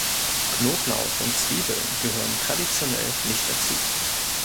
Knoblauch und Zwiebeln gehören traditionell nicht dazu.